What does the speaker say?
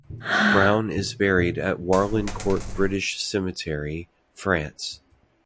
Brown is buried at Warlencourt British Cemetery, France.